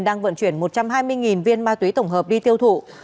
đang vận chuyển một trăm hai mươi viên ma túy tổng hợp đi tiêu thụ